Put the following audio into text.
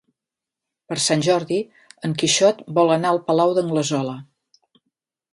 Per Sant Jordi en Quixot vol anar al Palau d'Anglesola.